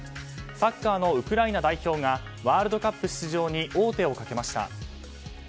サッカーのウクライナ代表がワールドカップ出場に王手をかけました。